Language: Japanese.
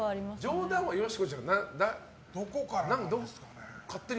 冗談はよしこちゃんはどこからなんですかね？